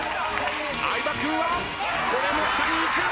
相葉君は。これも下に行く。